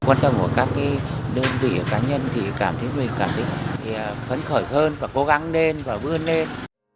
quan tâm của các đơn vị cá nhân thì cảm thấy mình cảm thấy phấn khởi hơn và cố gắng lên và vươn lên